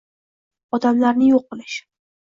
odamlarni yoʻq qilish